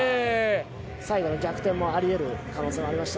最後逆転もある可能性もあります。